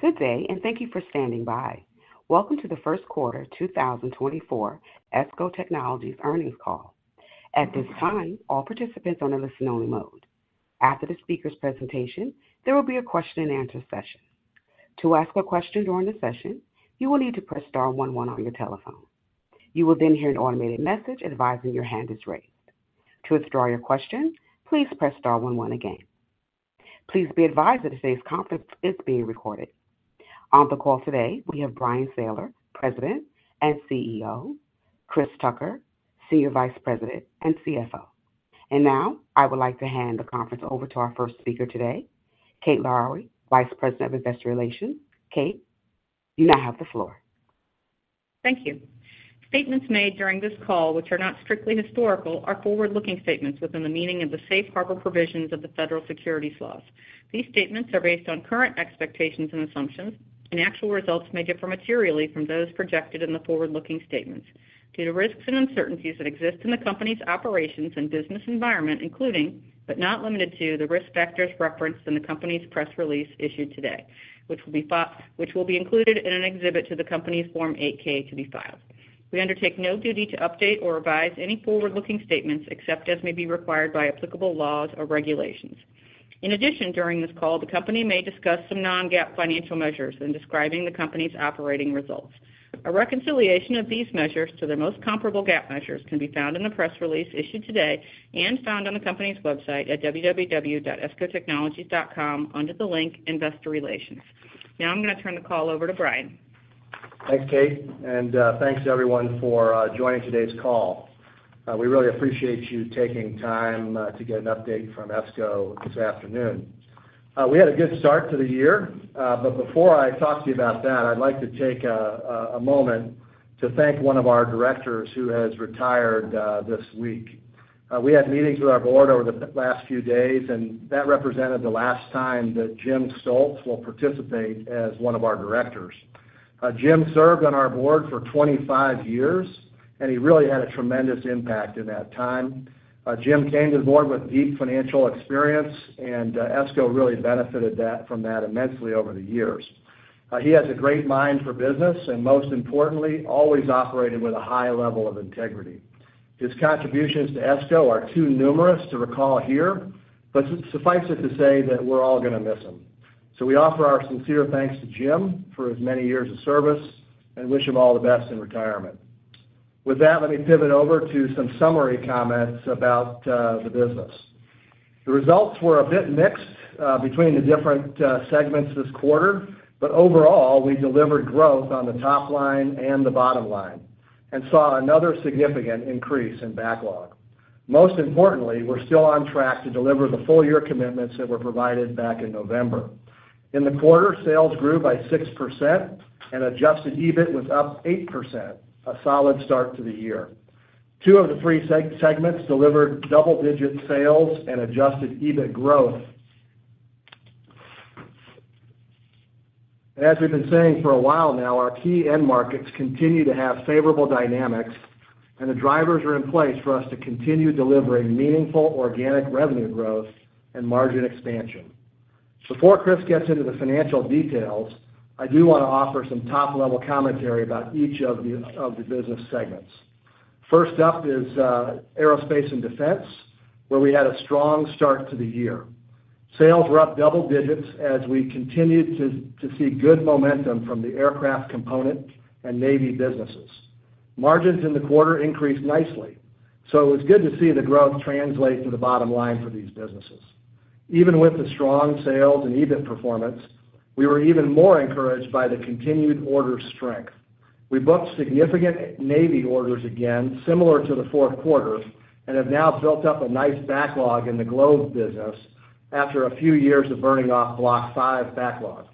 Good day, and thank you for standing by. Welcome to the first quarter 2024 ESCO Technologies earnings call. At this time, all participants are in listen-only mode. After the speaker's presentation, there will be a question-and-answer session. To ask a question during the session, you will need to press star one one on your telephone. You will then hear an automated message advising your hand is raised. To withdraw your question, please press star one one again. Please be advised that today's conference is being recorded. On the call today, we have Bryan Sayler, President and CEO. Chris Tucker, Senior Vice President and CFO. Now I would like to hand the conference over to our first speaker today, Kate Lowrey, Vice President of Investor Relations. Kate, you now have the floor. Thank you. Statements made during this call, which are not strictly historical, are forward-looking statements within the meaning of the safe harbor provisions of the federal securities laws. These statements are based on current expectations and assumptions, and actual results may differ materially from those projected in the forward-looking statements due to risks and uncertainties that exist in the company's operations and business environment, including but not limited to the risk factors referenced in the company's press release issued today, which will be included in an exhibit to the company's Form 8-K to be filed. We undertake no duty to update or revise any forward-looking statements except as may be required by applicable laws or regulations. In addition, during this call, the company may discuss some non-GAAP financial measures in describing the company's operating results. A reconciliation of these measures to their most comparable GAAP measures can be found in the press release issued today and found on the company's website at www.escotechnologies.com under the link Investor Relations. Now I'm going to turn the call over to Bryan. Thanks, Kate, and thanks to everyone for joining today's call. We really appreciate you taking time to get an update from ESCO this afternoon. We had a good start to the year, but before I talk to you about that, I'd like to take a moment to thank one of our directors who has retired this week. We had meetings with our board over the last few days, and that represented the last time that Jim Stolze will participate as one of our directors. Jim served on our board for 25 years, and he really had a tremendous impact in that time. Jim came to the board with deep financial experience, and ESCO really benefited from that immensely over the years. He has a great mind for business and, most importantly, always operated with a high level of integrity. His contributions to ESCO are too numerous to recall here, but suffice it to say that we're all going to miss him. We offer our sincere thanks to Jim for his many years of service and wish him all the best in retirement. With that, let me pivot over to some summary comments about the business. The results were a bit mixed between the different segments this quarter, but overall, we delivered growth on the top line and the bottom line and saw another significant increase in backlog. Most importantly, we're still on track to deliver the full-year commitments that were provided back in November. In the quarter, sales grew by 6%, and Adjusted EBIT was up 8%, a solid start to the year. Two of the three segments delivered double-digit sales and Adjusted EBIT growth. As we've been saying for a while now, our key end markets continue to have favorable dynamics, and the drivers are in place for us to continue delivering meaningful organic revenue growth and margin expansion. Before Chris gets into the financial details, I do want to offer some top-level commentary about each of the business segments. First up is aerospace and defense, where we had a strong start to the year. Sales were up double digits as we continued to see good momentum from the aircraft component and navy businesses. Margins in the quarter increased nicely, so it was good to see the growth translate to the bottom line for these businesses. Even with the strong sales and EBIT performance, we were even more encouraged by the continued order strength. We booked significant Navy orders again, similar to the fourth quarter, and have now built up a nice backlog in the Globe business after a few years of burning off Block 5 backlog.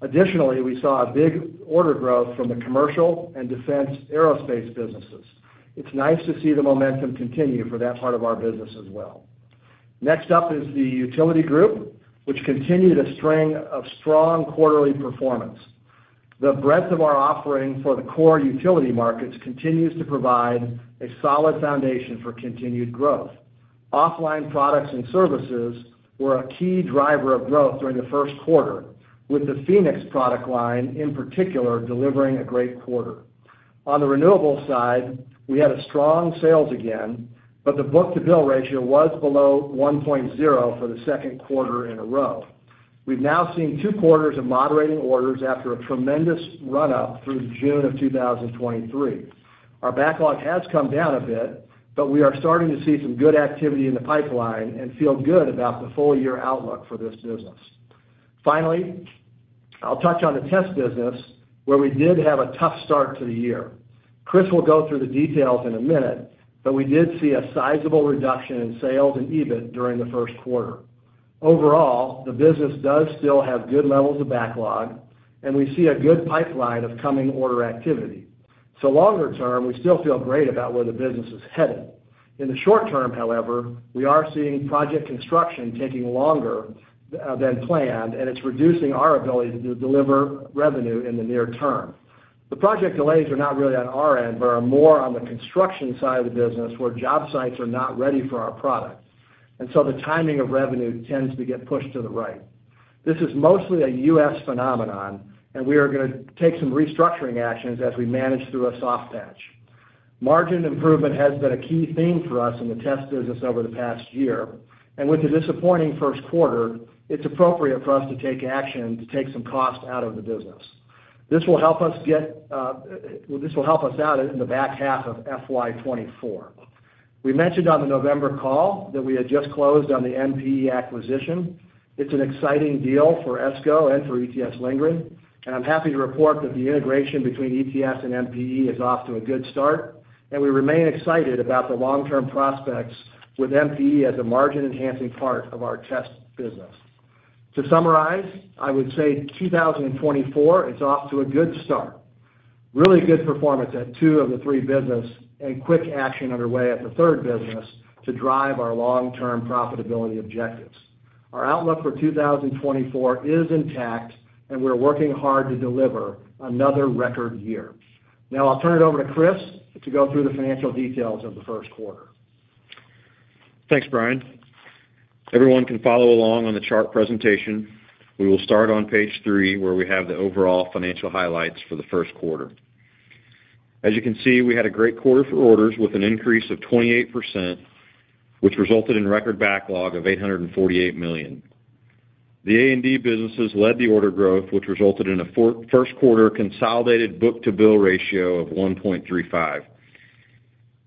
Additionally, we saw a big order growth from the commercial and defense aerospace businesses. It's nice to see the momentum continue for that part of our business as well. Next up is the utility group, which continued a string of strong quarterly performance. The breadth of our offering for the core utility markets continues to provide a solid foundation for continued growth. Offline products and services were a key driver of growth during the first quarter, with the Phenix product line, in particular, delivering a great quarter. On the renewable side, we had a strong sales again, but the book-to-bill ratio was below 1.0 for the second quarter in a row. We've now seen two quarters of moderating orders after a tremendous run-up through June of 2023. Our backlog has come down a bit, but we are starting to see some good activity in the pipeline and feel good about the full-year outlook for this business. Finally, I'll touch on the test business, where we did have a tough start to the year. Chris will go through the details in a minute, but we did see a sizable reduction in sales and EBIT during the first quarter. Overall, the business does still have good levels of backlog, and we see a good pipeline of coming order activity. So longer term, we still feel great about where the business is headed. In the short term, however, we are seeing project construction taking longer than planned, and it's reducing our ability to deliver revenue in the near term. The project delays are not really on our end but are more on the construction side of the business, where job sites are not ready for our product, and so the timing of revenue tends to get pushed to the right. This is mostly a U.S. phenomenon, and we are going to take some restructuring actions as we manage through a soft patch. Margin improvement has been a key theme for us in the test business over the past year, and with the disappointing first quarter, it's appropriate for us to take action to take some cost out of the business. This will help us out in the back half of FY 2024. We mentioned on the November call that we had just closed on the MPE acquisition. It's an exciting deal for ESCO and for ETS-Lindgren, and I'm happy to report that the integration between ETS and MPE is off to a good start, and we remain excited about the long-term prospects with MPE as a margin-enhancing part of our test business. To summarize, I would say 2024 is off to a good start, really good performance at two of the three businesses, and quick action underway at the third business to drive our long-term profitability objectives. Our outlook for 2024 is intact, and we're working hard to deliver another record year. Now I'll turn it over to Chris to go through the financial details of the first quarter. Thanks, Bryan. Everyone can follow along on the chart presentation. We will start on page 3, where we have the overall financial highlights for the first quarter. As you can see, we had a great quarter for orders with an increase of 28%, which resulted in record backlog of $848 million. The A&D businesses led the order growth, which resulted in a first-quarter consolidated book-to-bill ratio of 1.35.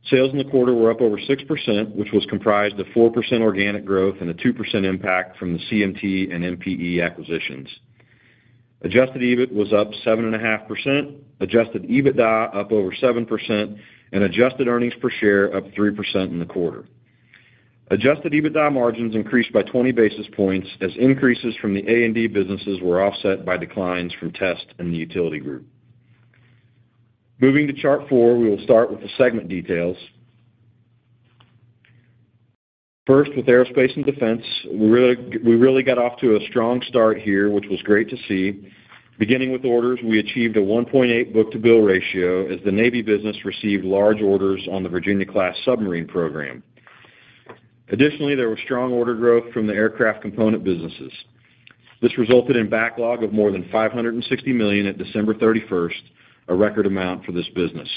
Sales in the quarter were up over 6%, which was comprised of 4% organic growth and a 2% impact from the CMT and MPE acquisitions. Adjusted EBIT was up 7.5%, adjusted EBITDA up over 7%, and adjusted earnings per share up 3% in the quarter. Adjusted EBITDA margins increased by 20 basis points as increases from the A&D businesses were offset by declines from test and the utility group. Moving to chart four, we will start with the segment details. First, with aerospace and defense, we really got off to a strong start here, which was great to see. Beginning with orders, we achieved a 1.8 book-to-bill ratio as the navy business received large orders on the Virginia-class submarine program. Additionally, there was strong order growth from the aircraft component businesses. This resulted in backlog of more than $560 million at December 31st, a record amount for this business.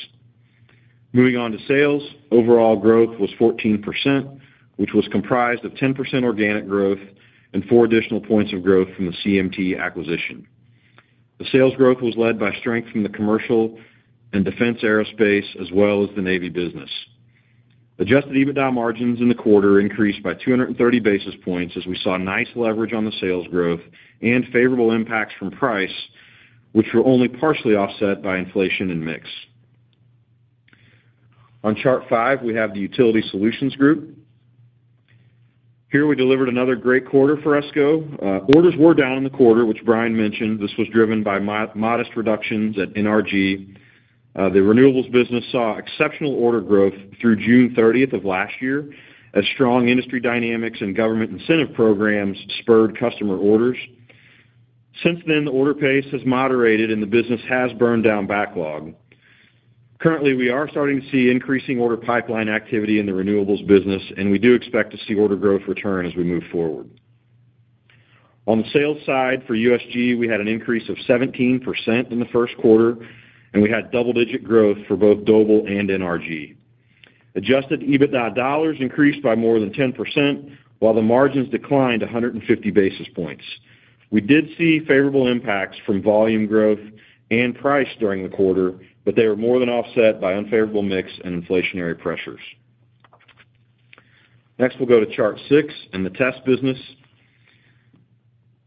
Moving on to sales, overall growth was 14%, which was comprised of 10% organic growth and four additional points of growth from the CMT acquisition. The sales growth was led by strength from the commercial and defense aerospace as well as the navy business. Adjusted EBITDA margins in the quarter increased by 230 basis points as we saw nice leverage on the sales growth and favorable impacts from price, which were only partially offset by inflation and mix. On chart five, we have the Utility Solutions Group. Here we delivered another great quarter for ESCO. Orders were down in the quarter, which Bryan mentioned. This was driven by modest reductions at NRG. The renewables business saw exceptional order growth through June 30th of last year as strong industry dynamics and government incentive programs spurred customer orders. Since then, the order pace has moderated, and the business has burned down backlog. Currently, we are starting to see increasing order pipeline activity in the renewables business, and we do expect to see order growth return as we move forward. On the sales side for USG, we had an increase of 17% in the first quarter, and we had double-digit growth for both Doble and NRG. Adjusted EBITDA dollars increased by more than 10%, while the margins declined 150 basis points. We did see favorable impacts from volume growth and price during the quarter, but they were more than offset by unfavorable mix and inflationary pressures. Next, we'll go to chart six and the test business,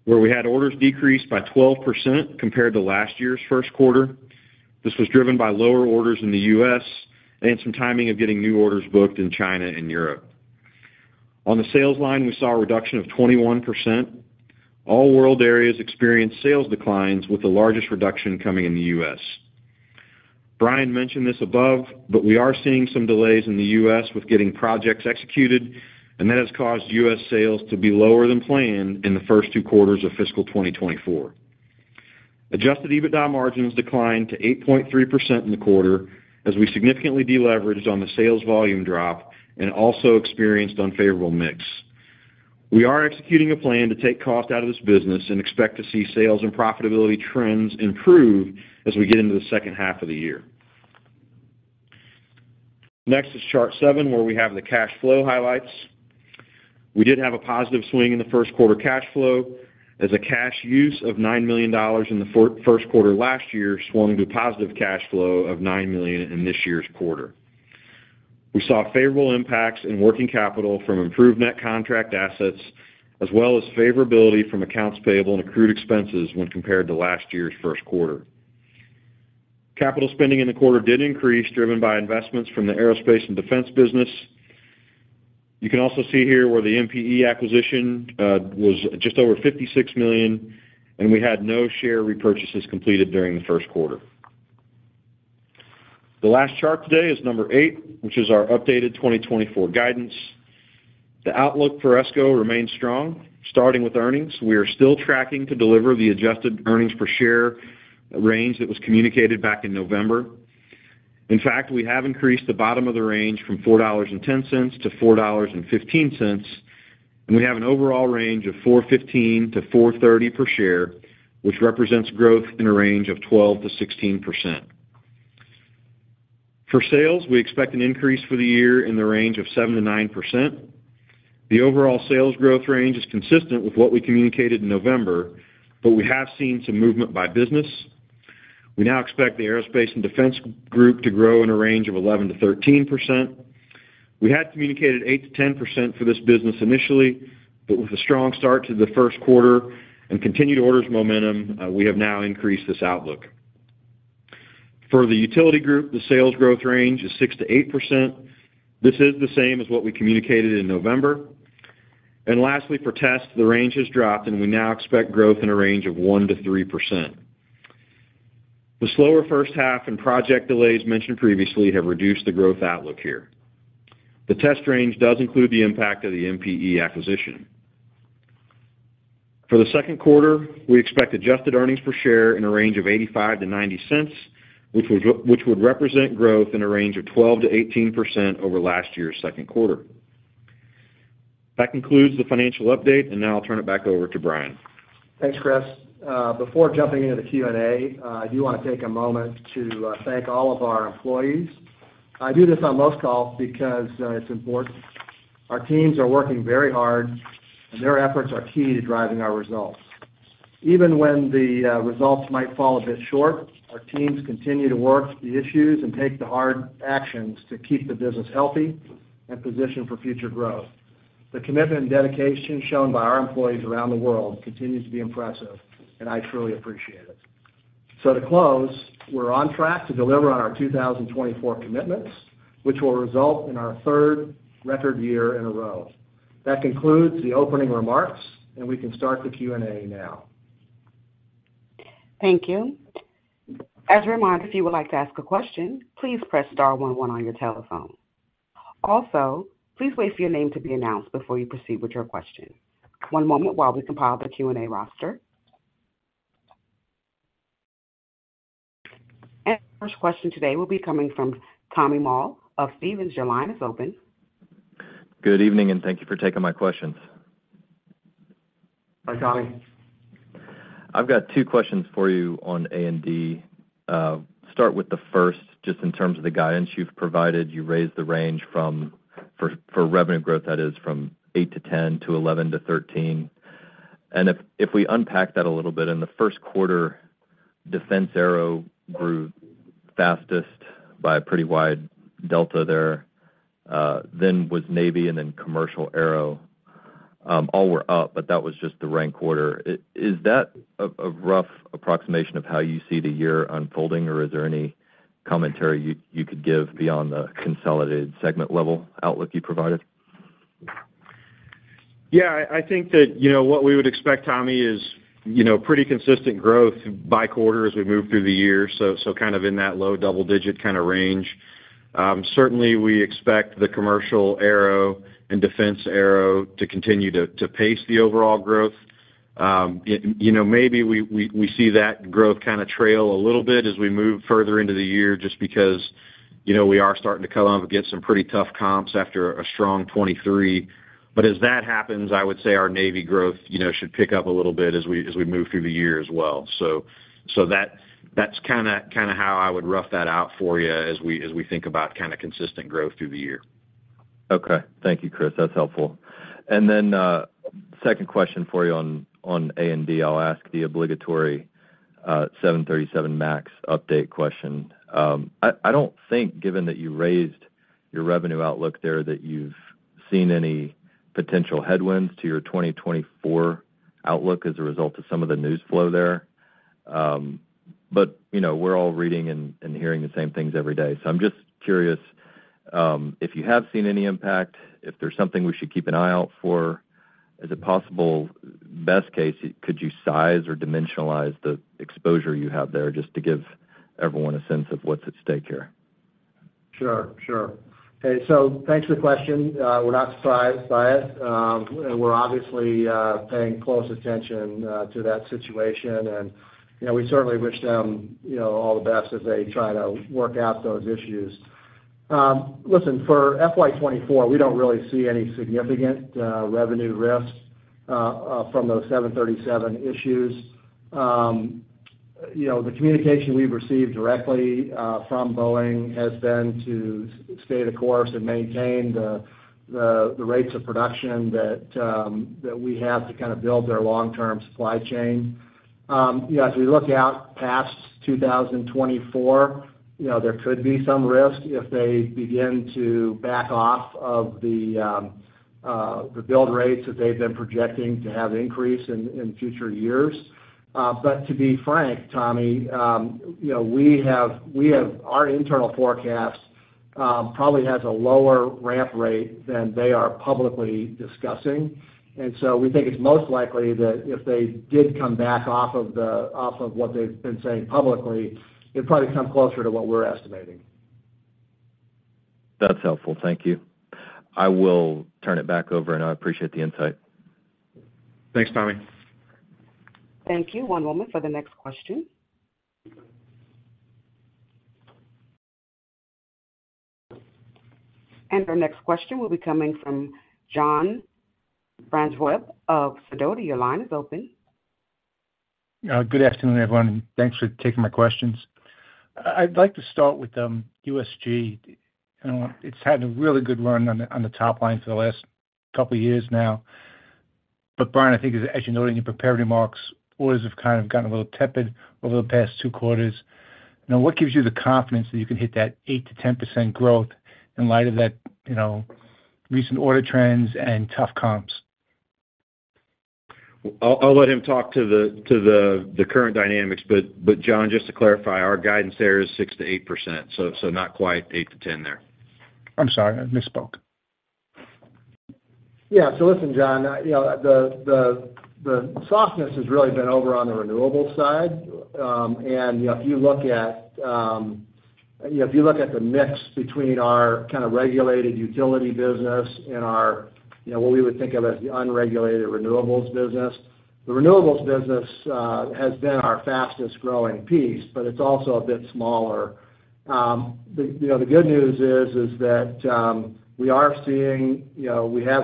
where we had orders decrease by 12% compared to last year's first quarter. This was driven by lower orders in the U.S. and some timing of getting new orders booked in China and Europe. On the sales line, we saw a reduction of 21%. All world areas experienced sales declines, with the largest reduction coming in the U.S. Bryan mentioned this above, but we are seeing some delays in the U.S. with getting projects executed, and that has caused U.S. sales to be lower than planned in the first two quarters of fiscal 2024. Adjusted EBITDA margins declined to 8.3% in the quarter as we significantly deleveraged on the sales volume drop and also experienced unfavorable mix. We are executing a plan to take cost out of this business and expect to see sales and profitability trends improve as we get into the second half of the year. Next is chart seven, where we have the cash flow highlights. We did have a positive swing in the first quarter cash flow as a cash use of $9 million in the first quarter last year swung to positive cash flow of $9 million in this year's quarter. We saw favorable impacts in working capital from improved net contract assets as well as favorability from accounts payable and accrued expenses when compared to last year's first quarter. Capital spending in the quarter did increase, driven by investments from the aerospace and defense business. You can also see here where the MPE acquisition was just over $56 million, and we had no share repurchases completed during the first quarter. The last chart today is number eight, which is our updated 2024 guidance. The outlook for ESCO remains strong. Starting with earnings, we are still tracking to deliver the adjusted earnings per share range that was communicated back in November. In fact, we have increased the bottom of the range from $4.10 to $4.15, and we have an overall range of $4.15-$4.30 per share, which represents growth in a range of 12%-16%. For sales, we expect an increase for the year in the range of 7%-9%. The overall sales growth range is consistent with what we communicated in November, but we have seen some movement by business. We now expect the aerospace and defense group to grow in a range of 11%-13%. We had communicated 8%-10% for this business initially, but with a strong start to the first quarter and continued orders momentum, we have now increased this outlook. For the utility group, the sales growth range is 6%-8%. This is the same as what we communicated in November. And lastly, for test, the range has dropped, and we now expect growth in a range of 1%-3%. The slower first half and project delays mentioned previously have reduced the growth outlook here. The test range does include the impact of the MPE acquisition. For the second quarter, we expect adjusted earnings per share in a range of $0.85-$0.90, which would represent growth in a range of 12%-18% over last year's second quarter. That concludes the financial update, and now I'll turn it back over to Bryan. Thanks, Chris. Before jumping into the Q&A, I do want to take a moment to thank all of our employees. I do this on most calls because it's important. Our teams are working very hard, and their efforts are key to driving our results. Even when the results might fall a bit short, our teams continue to work the issues and take the hard actions to keep the business healthy and positioned for future growth. The commitment and dedication shown by our employees around the world continues to be impressive, and I truly appreciate it. So to close, we're on track to deliver on our 2024 commitments, which will result in our third record year in a row. That concludes the opening remarks, and we can start the Q&A now. Thank you. As a reminder, if you would like to ask a question, please press star one one on your telephone. Also, please wait for your name to be announced before you proceed with your question. One moment while we compile the Q&A roster. The first question today will be coming from Tommy Moll of Stephens. Your line is open. Good evening, and thank you for taking my questions. Hi, Tommy. I've got two questions for you on A&D. Start with the first, just in terms of the guidance you've provided. You raised the range for revenue growth, that is, from 8%-10% to 11%-13%. And if we unpack that a little bit, in the first quarter, defense aero grew fastest by a pretty wide delta there. Then was Navy and then commercial aero. All were up, but that was just the rank order. Is that a rough approximation of how you see the year unfolding, or is there any commentary you could give beyond the consolidated segment level outlook you provided? Yeah, I think that what we would expect, Tommy, is pretty consistent growth by quarter as we move through the year, so kind of in that low double-digit kind of range. Certainly, we expect the commercial aero and defense aero to continue to pace the overall growth. Maybe we see that growth kind of trail a little bit as we move further into the year just because we are starting to come up against some pretty tough comps after a strong 2023. But as that happens, I would say our navy growth should pick up a little bit as we move through the year as well. So that's kind of how I would rough that out for you as we think about kind of consistent growth through the year. Okay. Thank you, Chris. That's helpful. And then second question for you on A&D. I'll ask the obligatory 737 MAX update question. I don't think, given that you raised your revenue outlook there, that you've seen any potential headwinds to your 2024 outlook as a result of some of the news flow there. But we're all reading and hearing the same things every day. So I'm just curious if you have seen any impact, if there's something we should keep an eye out for. As a possible best case, could you size or dimensionalize the exposure you have there just to give everyone a sense of what's at stake here? Sure. Sure. Hey, so thanks for the question. We're not surprised by it, and we're obviously paying close attention to that situation. And we certainly wish them all the best as they try to work out those issues. Listen, for FY 2024, we don't really see any significant revenue risk from those 737 issues. The communication we've received directly from Boeing has been to stay the course and maintain the rates of production that we have to kind of build their long-term supply chain. As we look out past 2024, there could be some risk if they begin to back off of the build rates that they've been projecting to have increase in future years. But to be frank, Tommy, our internal forecast probably has a lower ramp rate than they are publicly discussing. And so we think it's most likely that if they did come back off of what they've been saying publicly, it'd probably come closer to what we're estimating. That's helpful. Thank you. I will turn it back over, and I appreciate the insight. Thanks, Tommy. Thank you. One moment for the next question. Our next question will be coming from John Franzreb of Sidoti. Your line is open. Good afternoon, everyone, and thanks for taking my questions. I'd like to start with USG. It's had a really good run on the top line for the last couple of years now. But Bryan, I think, as you noted in your prepared remarks, orders have kind of gotten a little tepid over the past two quarters. What gives you the confidence that you can hit that 8%-10% growth in light of that recent order trends and tough comps? I'll let him talk to the current dynamics. But John, just to clarify, our guidance there is 6%-8%, so not quite 8%-10% there. I'm sorry. I misspoke. Yeah. So listen, John, the softness has really been over on the renewables side. And if you look at the mix between our kind of regulated utility business and what we would think of as the unregulated renewables business, the renewables business has been our fastest-growing piece, but it's also a bit smaller. The good news is that we have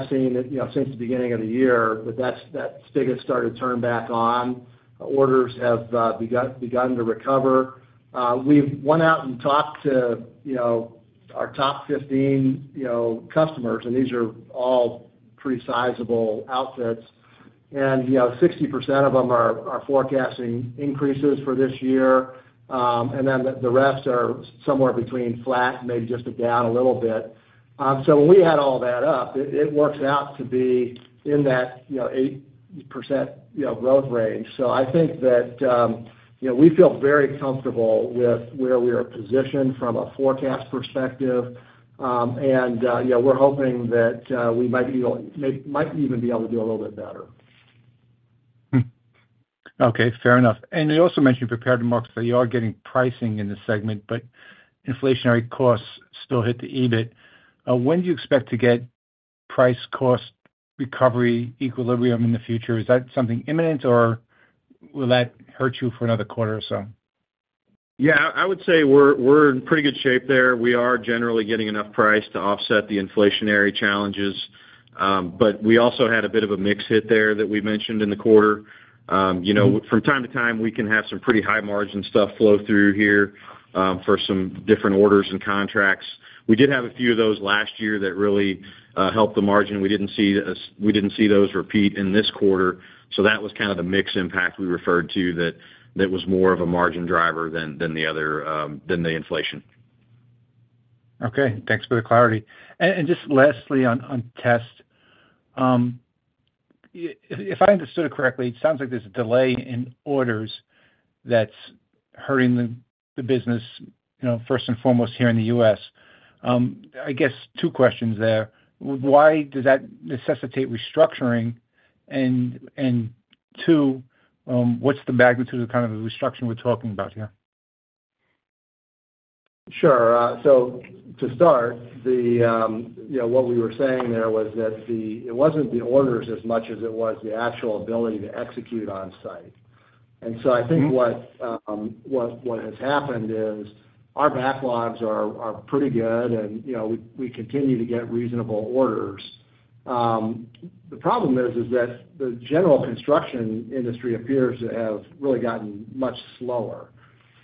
seen since the beginning of the year that that figure started to turn back on. Orders have begun to recover. We've went out and talked to our top 15 customers, and these are all pretty sizable outfits. And 60% of them are forecasting increases for this year, and then the rest are somewhere between flat, maybe just a down a little bit. So when we add all that up, it works out to be in that 8% growth range. I think that we feel very comfortable with where we are positioned from a forecast perspective, and we're hoping that we might even be able to do a little bit better. Okay. Fair enough. You also mentioned prepared remarks that you are getting pricing in the segment, but inflationary costs still hit the EBIT. When do you expect to get price-cost recovery equilibrium in the future? Is that something imminent, or will that hurt you for another quarter or so? Yeah, I would say we're in pretty good shape there. We are generally getting enough price to offset the inflationary challenges. But we also had a bit of a mix hit there that we mentioned in the quarter. From time to time, we can have some pretty high-margin stuff flow through here for some different orders and contracts. We did have a few of those last year that really helped the margin. We didn't see those repeat in this quarter. So that was kind of the mix impact we referred to that was more of a margin driver than the inflation. Okay. Thanks for the clarity. And just lastly on test, if I understood it correctly, it sounds like there's a delay in orders that's hurting the business, first and foremost, here in the U.S. I guess two questions there. Why does that necessitate restructuring? And two, what's the magnitude of kind of the restructuring we're talking about here? Sure. So to start, what we were saying there was that it wasn't the orders as much as it was the actual ability to execute on-site. And so I think what has happened is our backlogs are pretty good, and we continue to get reasonable orders. The problem is that the general construction industry appears to have really gotten much slower.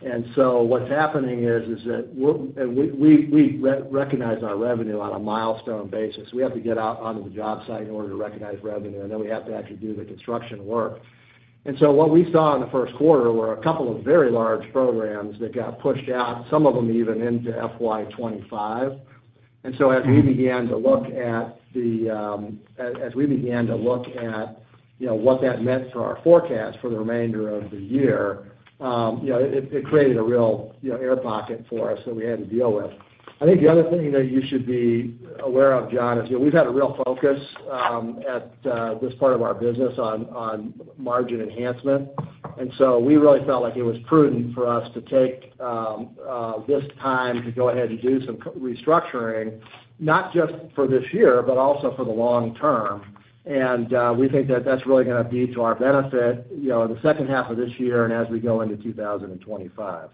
And so what's happening is that we recognize our revenue on a milestone basis. We have to get out onto the job site in order to recognize revenue, and then we have to actually do the construction work. And so what we saw in the first quarter were a couple of very large programs that got pushed out, some of them even into FY 2025. And so as we began to look at what that meant for our forecast for the remainder of the year, it created a real air pocket for us that we had to deal with. I think the other thing that you should be aware of, John, is we've had a real focus at this part of our business on margin enhancement. And so we really felt like it was prudent for us to take this time to go ahead and do some restructuring, not just for this year, but also for the long term. And we think that that's really going to be to our benefit in the second half of this year and as we go into 2025.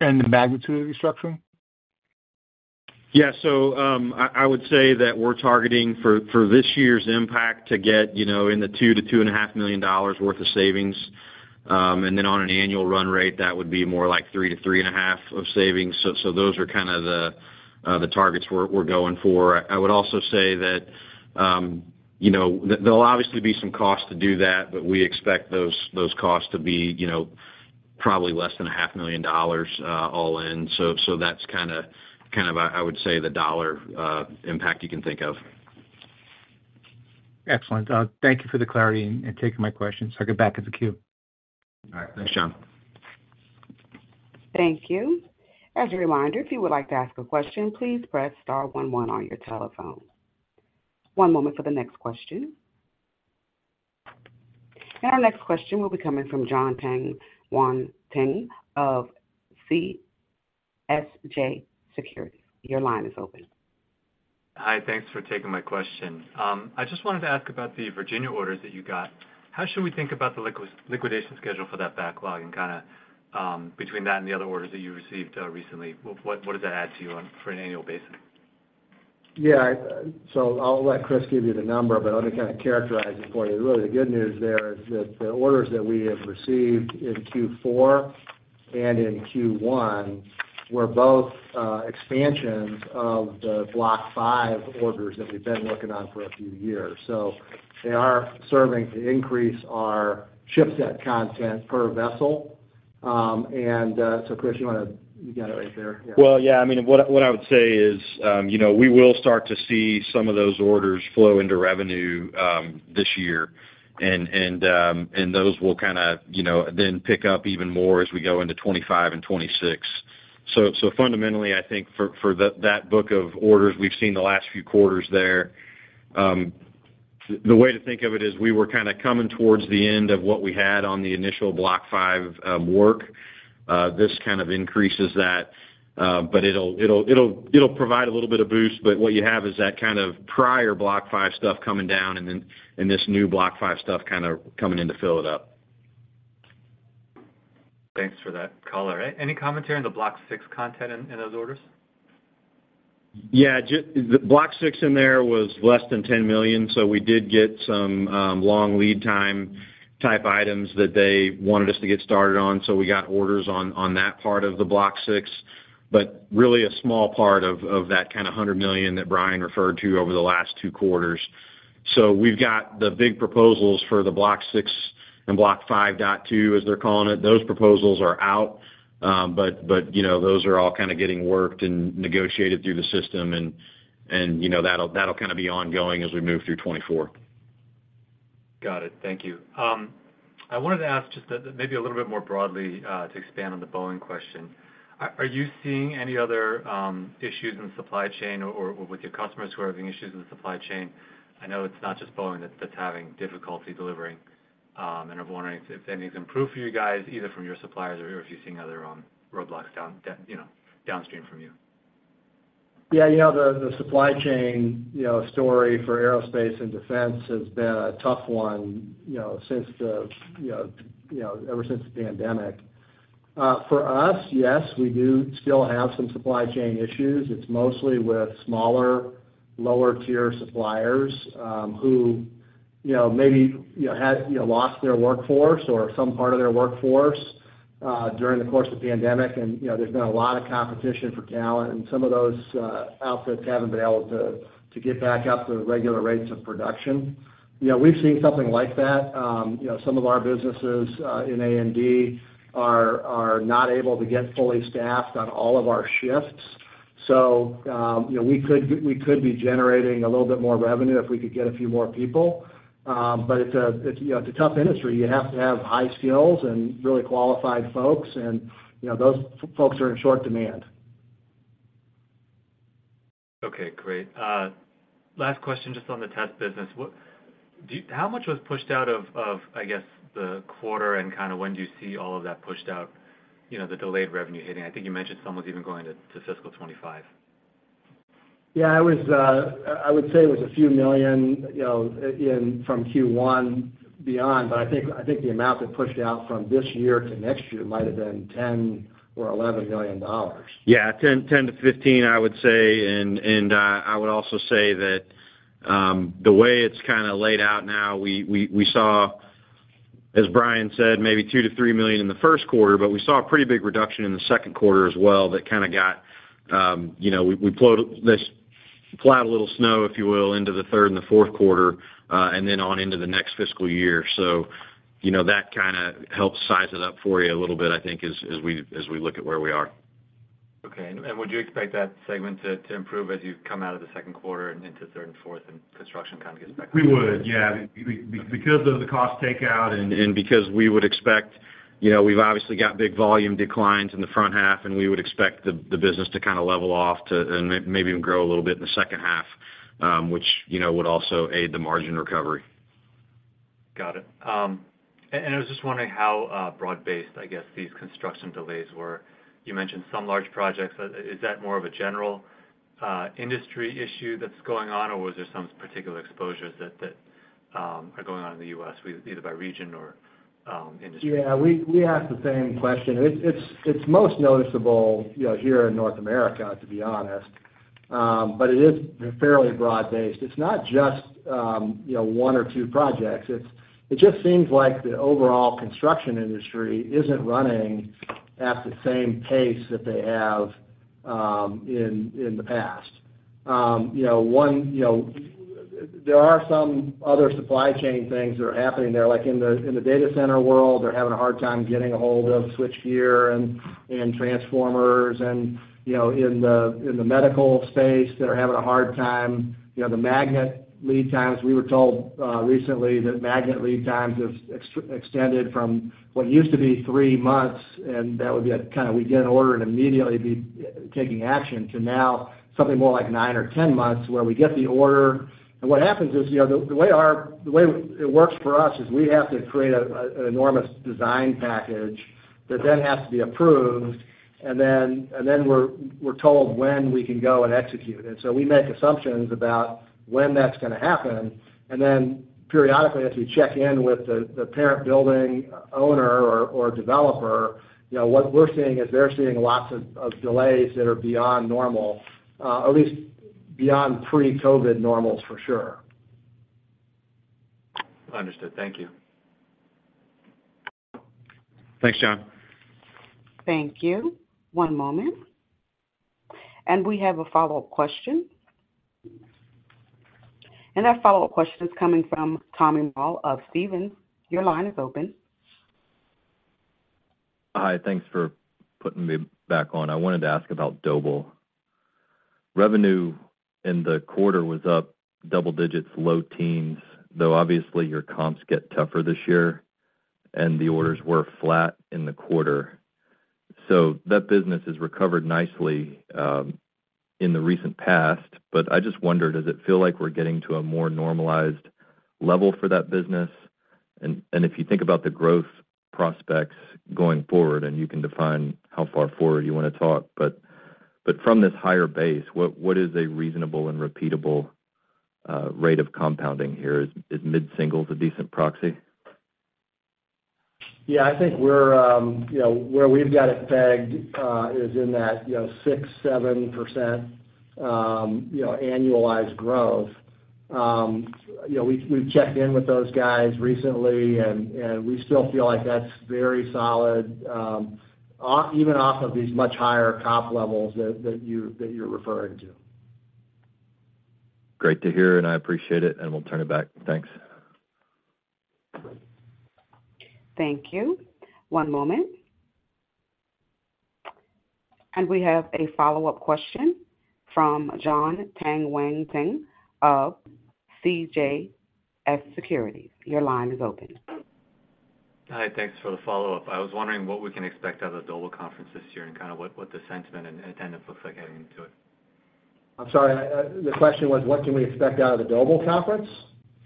The magnitude of the restructuring? Yeah. So I would say that we're targeting for this year's impact to get in the $2 million-$2.5 million worth of savings. And then on an annual run rate, that would be more like $3 million-$3.5 million of savings. So those are kind of the targets we're going for. I would also say that there'll obviously be some cost to do that, but we expect those costs to be probably less than $500,000 all in. So that's kind of, I would say, the dollar impact you can think of. Excellent. Thank you for the clarity and taking my questions. I'll get back in the queue. All right. Thanks, John. Thank you. As a reminder, if you would like to ask a question, please press star 11 on your telephone. One moment for the next question. Our next question will be coming from Jon Tanwanteng of CJS Securities. Your line is open. Hi. Thanks for taking my question. I just wanted to ask about the Virginia orders that you got. How should we think about the liquidation schedule for that backlog and kind of between that and the other orders that you received recently? What does that add to you on an annual basis? Yeah. So I'll let Chris give you the number, but I'll just kind of characterize it for you. Really, the good news there is that the orders that we have received in Q4 and in Q1 were both expansions of the Block 5 orders that we've been working on for a few years. So they are serving to increase our ship set content per vessel. And so, Chris, you want to, you got it right there. Yeah. Well, yeah. I mean, what I would say is we will start to see some of those orders flow into revenue this year, and those will kind of then pick up even more as we go into 2025 and 2026. So fundamentally, I think for that book of orders we've seen the last few quarters there, the way to think of it is we were kind of coming towards the end of what we had on the initial Block 5 work. This kind of increases that, but it'll provide a little bit of boost. But what you have is that kind of prior Block 5 stuff coming down and then this new Block 5 stuff kind of coming in to fill it up. Thanks for that call. All right. Any commentary on the Block 6 content in those orders? Yeah. The Block 6 in there was less than $10 million, so we did get some long lead time type items that they wanted us to get started on. So we got orders on that part of the Block 6, but really a small part of that kind of $100 million that Bryan referred to over the last two quarters. So we've got the big proposals for the Block 6 and Block 5.2, as they're calling it. Those proposals are out, but those are all kind of getting worked and negotiated through the system, and that'll kind of be ongoing as we move through 2024. Got it. Thank you. I wanted to ask just maybe a little bit more broadly to expand on the Boeing question. Are you seeing any other issues in the supply chain or with your customers who are having issues in the supply chain? I know it's not just Boeing that's having difficulty delivering, and I'm wondering if anything's improved for you guys, either from your suppliers or if you're seeing other roadblocks downstream from you. Yeah. The supply chain story for aerospace and defense has been a tough one ever since the pandemic. For us, yes, we do still have some supply chain issues. It's mostly with smaller, lower-tier suppliers who maybe had lost their workforce or some part of their workforce during the course of the pandemic. And there's been a lot of competition for talent, and some of those outfits haven't been able to get back up to regular rates of production. We've seen something like that. Some of our businesses in A&D are not able to get fully staffed on all of our shifts. So we could be generating a little bit more revenue if we could get a few more people. But it's a tough industry. You have to have high skills and really qualified folks, and those folks are in short demand. Okay. Great. Last question just on the test business. How much was pushed out of, I guess, the quarter, and kind of when do you see all of that pushed out, the delayed revenue hitting? I think you mentioned some was even going to fiscal 2025. Yeah. I would say it was a few million from Q1 beyond, but I think the amount that pushed out from this year to next year might have been $10 million or $11 million. Yeah. 10-15, I would say. And I would also say that the way it's kind of laid out now, we saw, as Brian said, maybe $2 million-$3 million in the first quarter, but we saw a pretty big reduction in the second quarter as well that kind of got, we plowed this flat little snow, if you will, into the third and the fourth quarter and then on into the next fiscal year. So that kind of helps size it up for you a little bit, I think, as we look at where we are. Okay. And would you expect that segment to improve as you come out of the second quarter and into third and fourth and construction kind of gets back on the road? We would. Yeah. Because of the cost takeout and because we would expect we've obviously got big volume declines in the front half, and we would expect the business to kind of level off and maybe even grow a little bit in the second half, which would also aid the margin recovery. Got it. And I was just wondering how broad-based, I guess, these construction delays were. You mentioned some large projects. Is that more of a general industry issue that's going on, or was there some particular exposures that are going on in the U.S., either by region or industry? Yeah. We asked the same question. It's most noticeable here in North America, to be honest, but it is fairly broad-based. It's not just one or two projects. It just seems like the overall construction industry isn't running at the same pace that they have in the past. There are some other supply chain things that are happening there. In the data center world, they're having a hard time getting a hold of switchgear and transformers. And in the medical space, they're having a hard time. The magnet lead times, we were told recently that magnet lead times have extended from what used to be three months, and that would be kind of we get an order and immediately be taking action, to now something more like nine or 10 months where we get the order. What happens is the way it works for us is we have to create an enormous design package that then has to be approved, and then we're told when we can go and execute it. We make assumptions about when that's going to happen. Then periodically, as we check in with the parent building owner or developer, what we're seeing is they're seeing lots of delays that are beyond normal, at least beyond pre-COVID normals, for sure. Understood. Thank you. Thanks, Jon. Thank you. One moment. We have a follow-up question. That follow-up question is coming from Tommy Moll of Stephens. Your line is open. Hi. Thanks for putting me back on. I wanted to ask about Doble. Revenue in the quarter was up double digits, low teens, though obviously, your comps get tougher this year, and the orders were flat in the quarter. So that business has recovered nicely in the recent past, but I just wondered, does it feel like we're getting to a more normalized level for that business? And if you think about the growth prospects going forward, and you can define how far forward you want to talk, but from this higher base, what is a reasonable and repeatable rate of compounding here? Is mid-singles a decent proxy? Yeah. I think where we've got it pegged is in that 6%-7% annualized growth. We've checked in with those guys recently, and we still feel like that's very solid, even off of these much higher comp levels that you're referring to. Great to hear, and I appreciate it, and we'll turn it back. Thanks. Thank you. One moment. We have a follow-up question from Jon Tanwanteng of CJS Securities. Your line is open. Hi. Thanks for the follow-up. I was wondering what we can expect out of the Doble conference this year and kind of what the sentiment and attendance looks like heading into it? I'm sorry. The question was, what can we expect out of the Doble conference?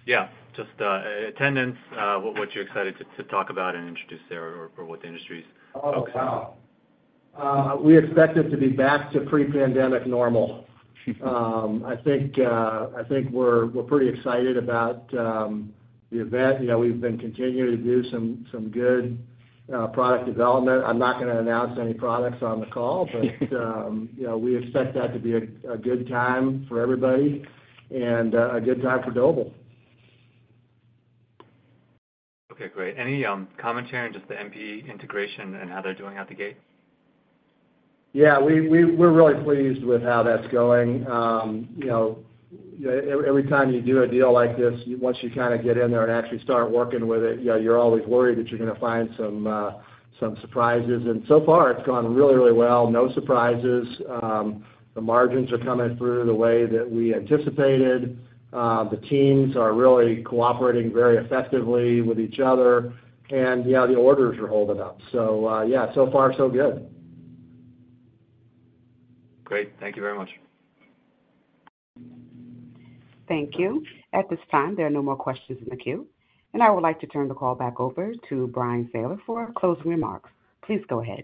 Yeah. Just attendance, what you're excited to talk about and introduce there or what the industry is. Oh, wow. We expect it to be back to pre-pandemic normal. I think we're pretty excited about the event. We've been continuing to do some good product development. I'm not going to announce any products on the call, but we expect that to be a good time for everybody and a good time for Doble. Okay. Great. Any commentary on just the MPE integration and how they're doing out the gate? Yeah. We're really pleased with how that's going. Every time you do a deal like this, once you kind of get in there and actually start working with it, you're always worried that you're going to find some surprises. And so far, it's gone really, really well. No surprises. The margins are coming through the way that we anticipated. The teams are really cooperating very effectively with each other, and the orders are holding up. So yeah. So far, so good. Great. Thank you very much. Thank you. At this time, there are no more questions in the queue. I would like to turn the call back over to Bryan Sayler for closing remarks. Please go ahead.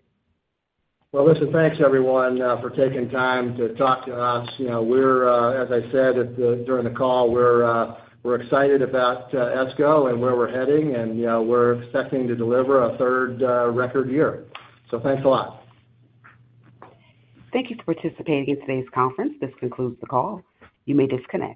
Well, listen, thanks, everyone, for taking time to talk to us. As I said during the call, we're excited about ESCO and where we're heading, and we're expecting to deliver a third record year. So thanks a lot. Thank you for participating in today's conference. This concludes the call. You may disconnect.